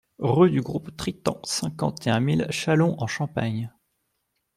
Rue du Groupe Tritant, cinquante et un mille Châlons-en-Champagne